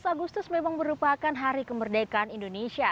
tujuh belas agustus memang merupakan hari kemerdekaan indonesia